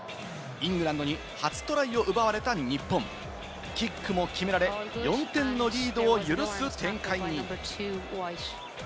イングランドに初トライを奪われた日本、キックも決められ、４点のリードを許す展開に。